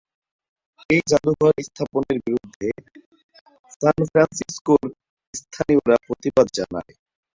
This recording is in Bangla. এই জাদুঘর স্থাপনের বিরুদ্ধে সান ফ্রান্সিসকোর স্থানীয়রা প্রতিবাদ জানায়।